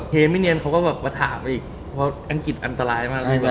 เฮไม่เนียนเขาก็มาถามอีกเพราะอังกฤษอันตรายมาก